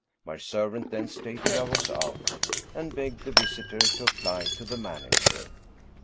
My servant then stated I was out, and begged the visitor to apply to the manager.